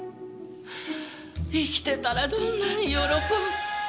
生きてたらどんなに喜ぶ。